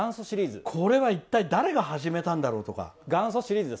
これは一体誰が始めたんだろうとか。